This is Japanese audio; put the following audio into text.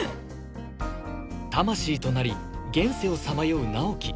魂となり現世をさまよう直木